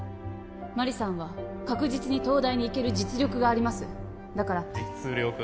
麻里さんは確実に東大に行ける実力がありますだから実力？